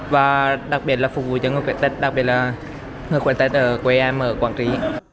và đặc biệt là phục vụ cho người quản tích đặc biệt là người quản tích ở quê em ở quảng trí